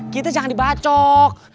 kita jangan dibacok